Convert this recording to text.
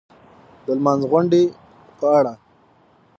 د لمانځغونډې په اړه